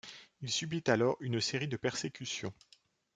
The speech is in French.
Il subit alors une série de persécutions.